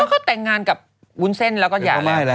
เขาแต่งงานกับวุ้นเส้นแล้วก็หย่ามาก